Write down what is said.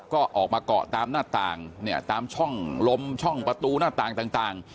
ก็ออกมาเกาะตามหน้าต่างเนี่ยตามช่องลมช่องประตูหน้าต่างต่าง